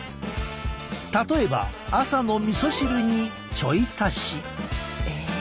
例えば朝のみそ汁にちょい足し。